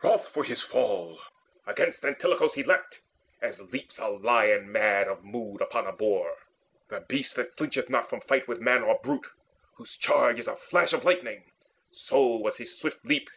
Wroth for his fall, against Antilochus He leapt, as leaps a lion mad of mood Upon a boar, the beast that flincheth not From fight with man or brute, whose charge is a flash Of lightning; so was his swift leap.